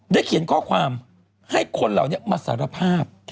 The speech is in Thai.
เขียนข้อความให้คนเหล่านี้มาสารภาพ